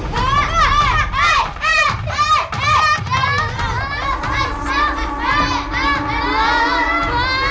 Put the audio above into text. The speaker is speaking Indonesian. loro nyampe disuruh naik ke atas